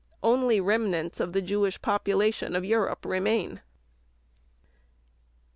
Only remnants of the Jewish population of Europe remain.